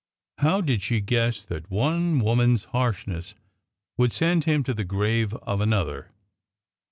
How did she guess that one woman's harshness would send him to the grave of another?